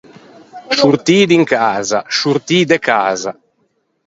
Sciortî d’in casa, sciortî de casa.